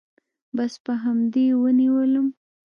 بس په همدې يې ونيولم.